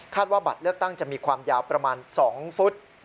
ว่าบัตรเลือกตั้งจะมีความยาวประมาณ๒ฟุต